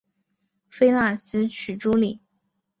菲腊斯娶茱莉。